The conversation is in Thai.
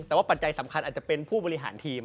แต่ว่าปัจจัยสำคัญอาจจะเป็นผู้บริหารทีม